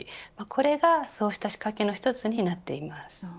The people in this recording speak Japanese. これがそうした仕掛けの一つになっています。